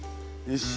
よし！